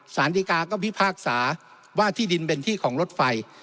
สารดีกาก็พิพากษาว่าที่ดินเป็นที่ของรถไฟ